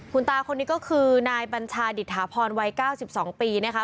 คุณตาคนนี้ก็คือนายบัญชาดิษฐาพรวัย๙๒ปีนะคะ